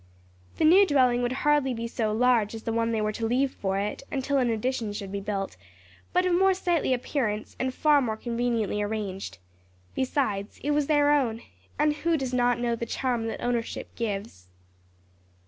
The new dwelling would be hardly so large as the one they were to leave for it, until an addition should be built, but of more sightly appearance and far more conveniently arranged. Besides it was their own, and who does not know the charm that ownership gives?